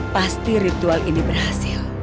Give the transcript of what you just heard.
pasti ritual ini berhasil